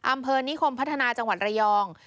อำเภอนิคมพัฒนาจังหวัดระยอง